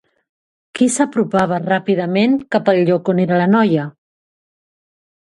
Qui s'apropava ràpidament cap al lloc on era la noia?